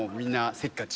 せっかち！